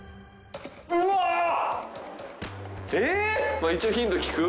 まあ一応ヒント聞く？